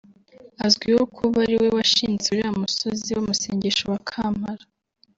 azwiho kuba ariwe washinze uriya musozi w’amasengesho wa Kampala